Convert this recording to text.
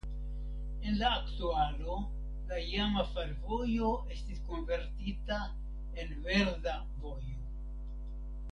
En la aktualo la iama fervojo estis konvertita en Verda vojo.